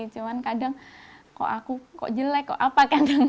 cuma kadang kok aku jelek kok apa kadang